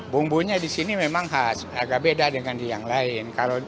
bumbunya di sini memang khas agak beda dengan di yang lain